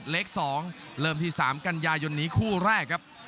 เลข๒เริ่มที่๓กันยายนนี้คู่แรกครับ